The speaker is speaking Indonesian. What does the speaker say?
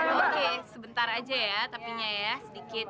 oke sebentar aja ya tapinya ya sedikit